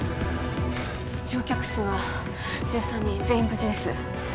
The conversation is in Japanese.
乗客数は１３人全員無事です